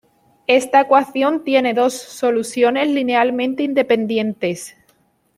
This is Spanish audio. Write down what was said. Esta ecuación tiene dos soluciones linealmente independientes.